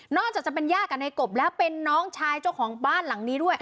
จากจะเป็นย่ากับในกบแล้วเป็นน้องชายเจ้าของบ้านหลังนี้ด้วย